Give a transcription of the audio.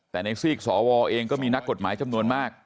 แต่ในซีกสวเองก็มีนักกฎหมายจำนวนมาก